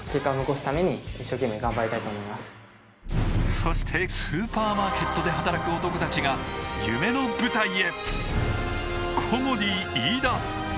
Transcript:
そしてスーパーマーケットで働く男立ちが夢の舞台へ。